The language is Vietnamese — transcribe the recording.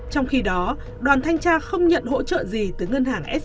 trong khi đó đoàn thanh tra không nhận hỗ trợ